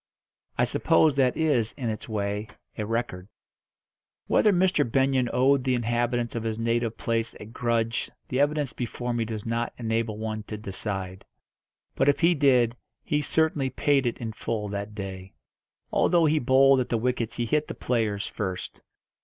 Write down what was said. I suppose that is, in its way, a record. Whether Mr. Benyon owed the inhabitants of his native place a grudge the evidence before me does not enable one to decide; but, if he did, he certainly paid it in full that day. Although he bowled at the wickets he hit the players first.